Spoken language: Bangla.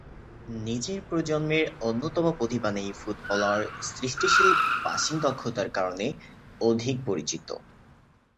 নিজের প্রজন্মের অন্যতম প্রতিভাবান এই ফুটবলার সৃষ্টিশীল পাসিং দক্ষতার কারণে অধিক পরিচিত।